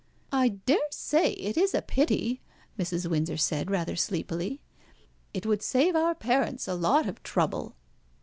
"I dare say it is a pity," Mrs. Windsor said rather sleepily. "It would save our parents a lot of trouble."